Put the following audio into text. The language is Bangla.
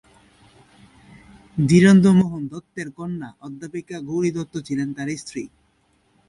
ধীরেন্দ্রমোহন দত্তের কন্যা অধ্যাপিকা গৌরী দত্ত ছিলেন তাঁর স্ত্রী।